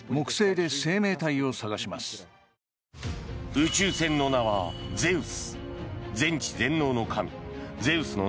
宇宙船の名はゼウス。